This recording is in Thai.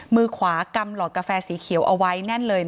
มือขวากำหลอดกาแฟสีเขียวเอาไว้แน่นเลย